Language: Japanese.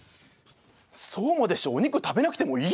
そうまでしてお肉食べなくてもいいじゃない！